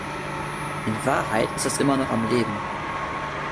In Wahrheit ist es immer noch am Leben.